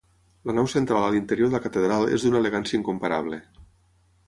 La nau central a l'interior de la catedral és d'una elegància incomparable.